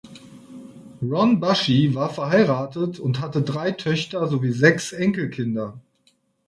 Ron Bushy war verheiratet und hatte drei Töchter sowie sechs Enkelkinder.